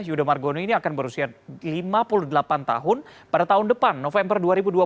yudha margono ini akan berusia lima puluh delapan tahun pada tahun depan november dua ribu dua puluh